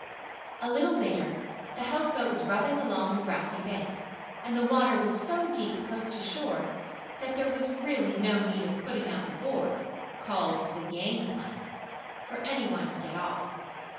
A little later the houseboat was rubbing along the grassy bank, and the water was so deep close to shore that there was really no need of putting out the board, called the "gangplank," for any one to get off.